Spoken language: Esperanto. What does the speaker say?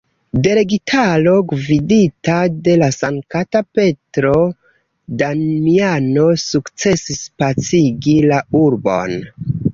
Delegitaro, gvidita de sankta Petro Damiano sukcesis pacigi la urbon.